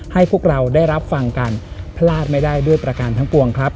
ให้พวกเราได้รับฟังกันพลาดไม่ได้ด้วยประการทั้งปวงครับ